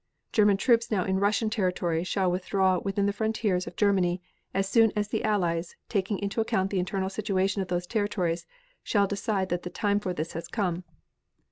German troops now in Russian territory shall withdraw within the frontiers of Germany, as soon as the Allies, taking into account the internal situation of those territories, shall decide that the time for this has come.